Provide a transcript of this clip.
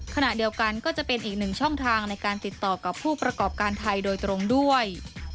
ขณะเดียวกันก็จะเป็นอีกหนึ่งช่องทางในการติดต่อกับผู้ประกอบการไทยโดยตรงด้วย